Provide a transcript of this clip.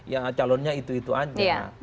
ya calonnya itu itu aja